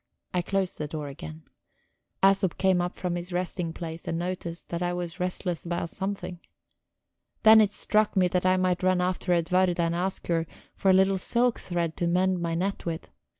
I closed the door again; Æsop came up from his resting place and noticed that I was restless about something. Then it struck me that I might run after Edwarda and ask her for a little silk thread to mend my net with.